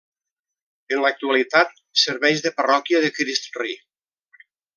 En l'actualitat serveix de parròquia de Crist Rei.